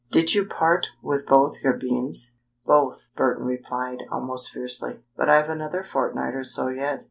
Did you part with both your beans?" "Both," Burton replied, almost fiercely. "But I've another fortnight or so yet.